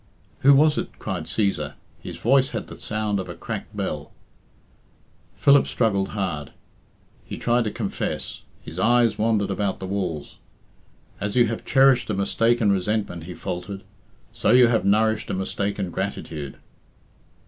"Who was it?" cried Cæsar. His voice had the sound of a cracked bell. Philip struggled hard. He tried to confess. His eyes wandered about the walls. "As you have cherished a mistaken resentment," he faltered, "so you have nourished a mistaken gratitude."